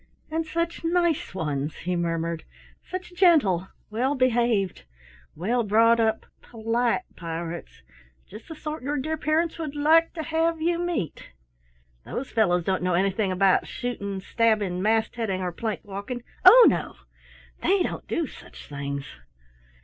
"And such nice ones," he murmured. "Such gentle, well behaved, well brought up, polite pirates! Just the sort your dear parents would like to have you meet. Those fellows don't know anything about shooting, stabbing, mast heading or plank walking; oh, no! They don't do such things."